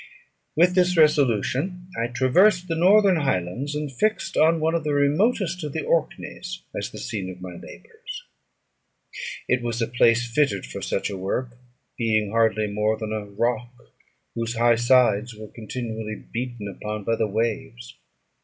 With this resolution I traversed the northern highlands, and fixed on one of the remotest of the Orkneys as the scene of my labours. It was a place fitted for such a work, being hardly more than a rock, whose high sides were continually beaten upon by the waves.